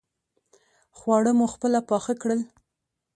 خواړه مو خپله پاخه کړل.